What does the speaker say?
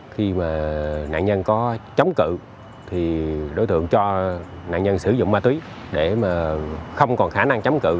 khi mà nạn nhân có chống cự thì đối tượng cho nạn nhân sử dụng ma túy để mà không còn khả năng chống cự